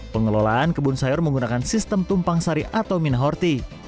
pengelolaan kebun sayur menggunakan sistem tumpang sari atau minahorti